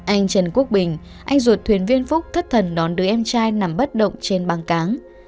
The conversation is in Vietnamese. anh trần quốc bình anh ruột thuyền viên phúc thất thần đón đứa em trai nằm bất động trên băng cáng